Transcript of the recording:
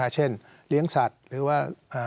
เช่นเลี้ยงสัตว์หรือว่า